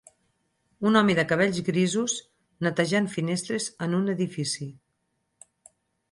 Un home de cabells grisos netejant finestres en un edifici.